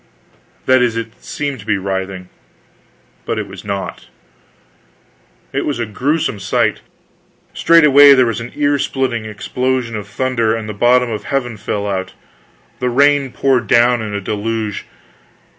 That is, it seemed to be writhing, but it was not. It was a grewsome sight. Straightway there was an ear splitting explosion of thunder, and the bottom of heaven fell out; the rain poured down in a deluge.